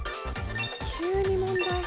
急に問題